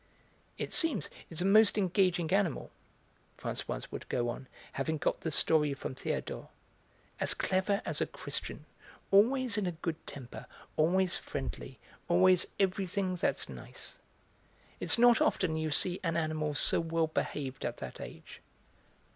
"It seems, it's a most engaging animal," Françoise would go on, having got the story from Théodore, "as clever as a Christian, always in a good temper, always friendly, always everything that's nice. It's not often you see an animal so well behaved at that age.